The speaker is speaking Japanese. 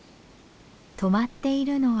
止まっているのは。